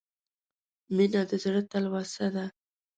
• مینه د زړه تلوسه ده.